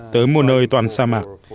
tới một nơi toàn sa mạc